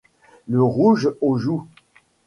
Le rouge aux joues.